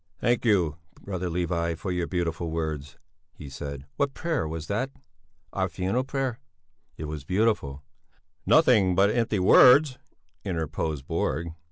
"Thank you, brother Levi, for your beautiful words," he said. "What prayer was that?" "Our funeral prayer!" "It was beautiful!" "Nothing but empty words," interposed Borg.